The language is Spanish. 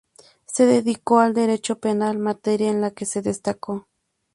Se dedicó al Derecho Penal, materia en la que se destacó.